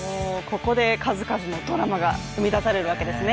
ここで数々のドラマが生み出されるわけですね